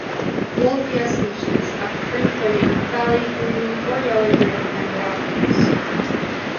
"Wolffia" species are free-floating thalli, green or yellow-green, and without roots.